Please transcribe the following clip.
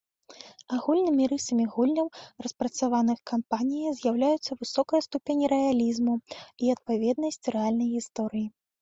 Агульнымі рысамі гульняў, распрацаваных кампаніяй, з'яўляюцца высокая ступень рэалізму і адпаведнасці рэальнай гісторыі.